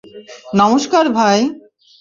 নমস্কার, ভাই!